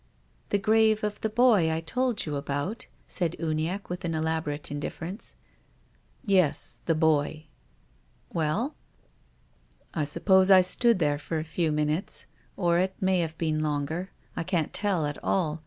" The grave of the boy I told you about ?" said Uniacke with an elaborate indifference. " Yes, the boy." " Well ?"" I suppose I stood there for a few minutes, or it may have been longer. I can't tell at all.